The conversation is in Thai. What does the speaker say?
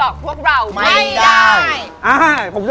บริการนี้